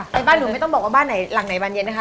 ไปบ้านหนูไม่ต้องบอกว่าบ้านไหนหลังไหนบานเย็นนะคะ